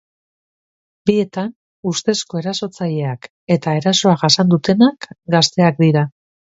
Bietan, ustezko erasotzaileak eta erasoa jasan dutenak gazteak dira.